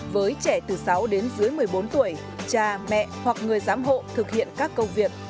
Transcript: với trẻ từ sáu đến dưới một mươi bốn tuổi cha mẹ hoặc người giám hộ thực hiện các công việc